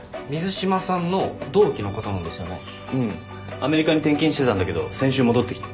アメリカに転勤してたんだけど先週戻ってきて。